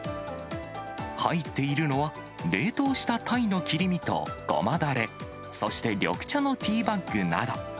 入っているのは、冷凍したタイの切り身とごまだれ、そして緑茶のティーバッグなど。